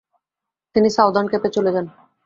তিনি সাউদার্ন কেপে চলে যান।